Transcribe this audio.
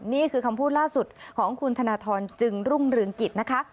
นี่คือคำพูดล่าสุดของคุณธนทรจึงรุ่งเรืองกิจนะคะ